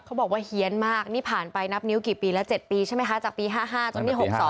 เขาบอกว่าเฮียนมากนี่ผ่านไปนับนิ้วกี่ปีแล้ว๗ปีใช่ไหมคะจากปี๕๕จนนี่๖๒